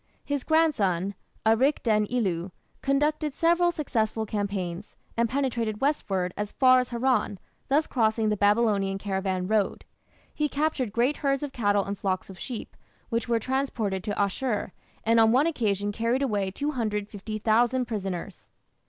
His grandson, Arik den ilu, conducted several successful campaigns, and penetrated westward as far as Haran, thus crossing the Babylonian caravan road. He captured great herds of cattle and flocks of sheep, which were transported to Asshur, and on one occasion carried away 250,000 prisoners.